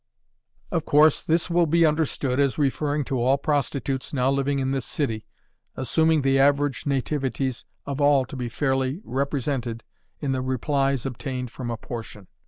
Of course, this will be understood as referring to all prostitutes now living in this city, assuming the average nativities of all to be fairly represented in the replies obtained from a portion.